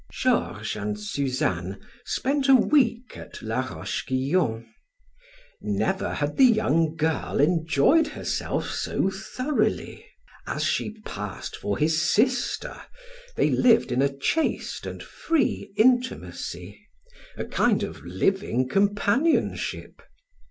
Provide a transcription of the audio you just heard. Georges and Suzanne spent a week at La Roche Guyon. Never had the young girl enjoyed herself so thoroughly. As she passed for his sister, they lived in a chaste and free intimacy, a kind of living companionship.